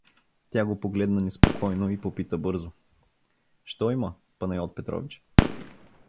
Тя го погледна неспокойно и попита бързо: — Що има, Панайот Петрович?